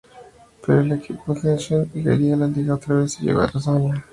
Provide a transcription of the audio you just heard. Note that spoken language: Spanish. Pero el equipo Xeneize quería la Liga otra vez, y llegó la hazaña.